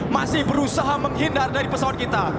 masih berusaha menghindar dari pesawat kita